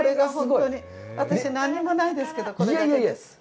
私、何にもないですけど、これだけです。